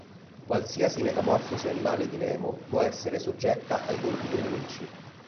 Qualsiasi metamorfosi animale di Nemo può essere soggetta ai colpi dei nemici.